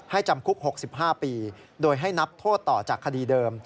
จำคุก๖๕ปีโดยให้นับโทษต่อจากคดีเดิม